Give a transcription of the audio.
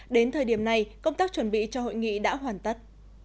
đến thời điểm này công tác chuẩn bị cho hội nghị đã hoàn tất